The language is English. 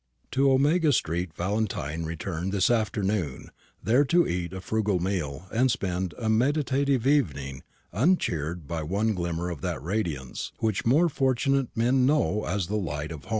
To Omega street Valentine returned this afternoon, there to eat a frugal meal and spend a meditative evening, uncheered by one glimmer of that radiance which more fortunate men know as the light of home.